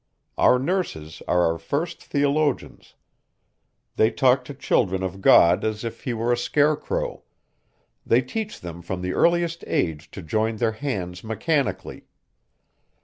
Our nurses are our first theologians. They talk to children of God as if he were a scarecrow; they teach them from the earliest age to join their hands mechanically.